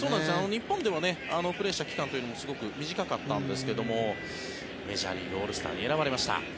日本ではプレーした期間というのはすごく短かったんですがメジャーリーグオールスターに選ばれました。